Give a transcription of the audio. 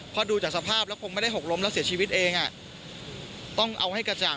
พอดูจากสภาพแล้วคงไม่ได้หกล้มแล้วเสียชีวิตเองต้องเอาให้กระจ่าง